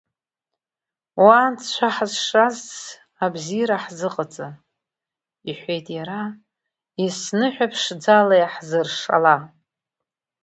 Уа Анцәа ҳазшаз, абзиара ҳзыҟаҵа, – иҳәеит иара, есныҳәа ԥшӡала иаҳзыршала…